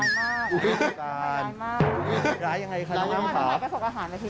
น้องใหม่ร้ายมากร้ายมากร้ายยังไงคะน้องอัมภาษณ์